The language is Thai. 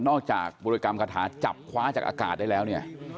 จากบริกรรมคาถาจับคว้าจากอากาศได้แล้วเนี่ย